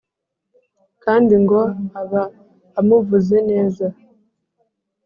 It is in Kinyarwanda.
kandi ngo aba amuvuze neza